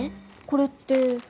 これって。